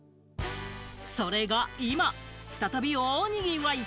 それが今、再び大にぎわい。